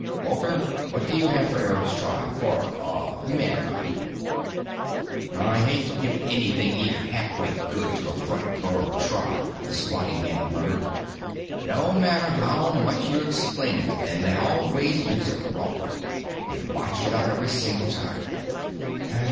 Walter, what do you have for Eric's tribe for, uh, for Mankind?" "I hate to give anything even halfway good to a front burrow tribe," the squatting man muttered. "No matter how much you explain it to them, they always use it wrong, they botch it up every single time.